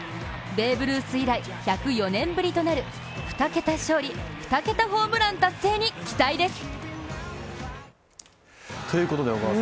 ベーブ・ルース以来、１０４年ぶりとなる２桁勝利２桁ホームラン達成に期待です。